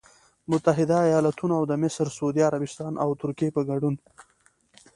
متحدوایالتونو او د مصر، سعودي عربستان او ترکیې په ګډون